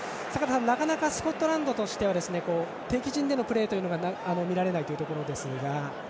なかなかスコットランドは敵陣でのプレーが見られないところですが。